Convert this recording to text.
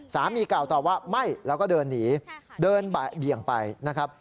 สามีเก่าตอบว่าไม่แล้วก็เดินหนีเดินบ่ายเบี่ยงไปนะครับ